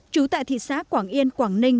chú tại thị xã quảng yên quảng ninh